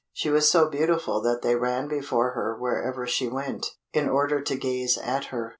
She was so beautiful that they ran before her wherever she went, in order to gaze at her.